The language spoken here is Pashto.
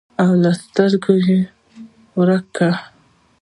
او له سترګو یې ورک کړ.